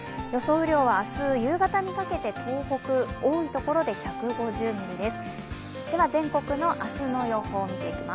雨量は明日夕方にかけて東北、多いところで１５０ミリです。